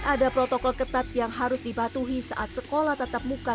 ada protokol ketat yang harus dipatuhi saat sekolah tatap muka